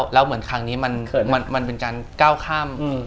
แล้วเหมือนครั้งนี้มันเป็นการก้าวข้าม